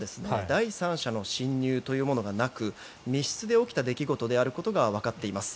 第三者の侵入というものがなく密室で起きた出来事であることがわかっています。